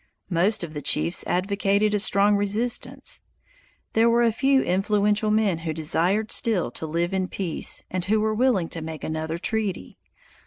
Most of the chiefs advocated a strong resistance. There were a few influential men who desired still to live in peace, and who were willing to make another treaty.